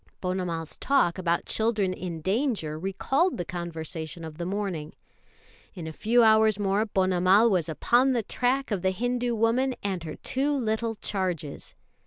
Ponnamal's talk about children in danger recalled the conversation of the morning. In a few hours more Ponnamal was upon the track of the Hindu woman and her two little charges.